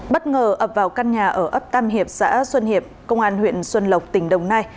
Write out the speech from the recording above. bất ngờ ập vào căn nhà ở ấp tam hiệp xã xuân hiệp công an huyện xuân lộc tỉnh đồng nai